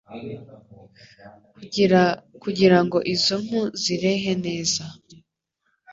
kugira kugirango izo mpu zirehe neza.